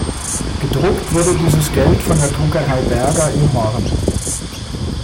Gedruckt wurde dieses Geld von der Druckerei Berger in Horn.